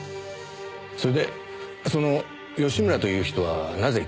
それでその吉村という人はなぜ欠席を？